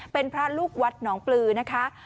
เป็นพระลูกวัดหนองปลือนะคะ